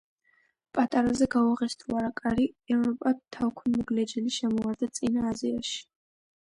პატარაზე გაუღეს თუ არა კარი, ევროპა თავქუდმოგლეჯილი შემოვარდა წინა აზიაში.